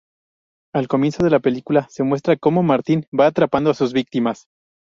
Al comienzo de la película se muestra como Martin va atrapando a sus víctimas.